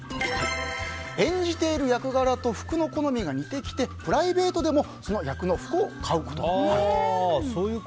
演じている役柄と服の好みが似てきてプライベートでもその役の服を買うことがあると。